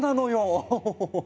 オホホホ。